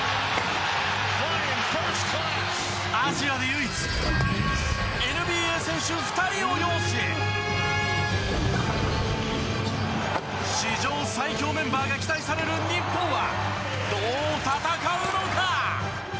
アジアで唯一ＮＢＡ選手２人を擁し史上最強メンバーが期待される日本はどう戦うのか？